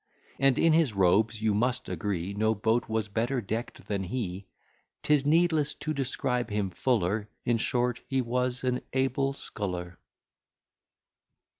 And in his robes you must agree, No boat was better deckt than he. 'Tis needless to describe him fuller; In short, he was an able sculler.